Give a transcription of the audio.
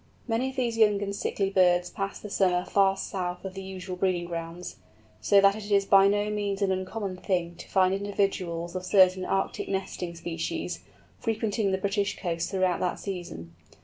Many of these young and sickly birds pass the summer far south of the usual breeding grounds; so that it is by no means an uncommon thing to find individuals of certain Arctic nesting species, frequenting the British coasts throughout that season.